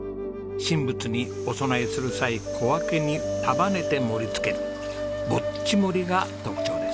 神仏にお供えする際小分けに束ねて盛りつけるぼっち盛りが特徴です。